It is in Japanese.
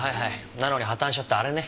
なのに破綻しちゃったあれね。